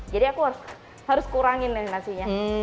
jadi aku harus kurangin nih nasinya